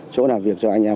chỗ làm việc cho anh em